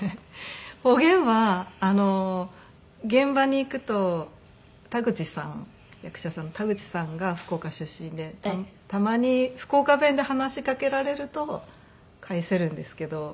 方言は現場に行くと田口さん役者さんの田口さんが福岡出身でたまに福岡弁で話しかけられると返せるんですけど。